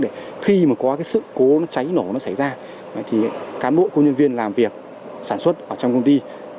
để khi có sự cố cháy nổ nó xảy ra cán bộ công nhân viên làm việc sản xuất trong công ty